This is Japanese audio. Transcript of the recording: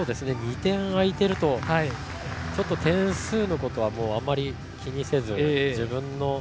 ２点開いてると点数のことはあまり気にせず、自分の。